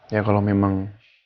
ya kalau memang